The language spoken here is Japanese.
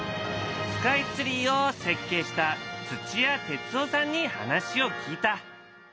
スカイツリーを設計した土屋哲夫さんに話を聞いた。